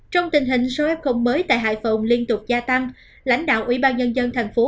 trong tình hình số f mới tại hải phòng liên tục gia tăng lãnh đạo ủy ban nhân dân thành phố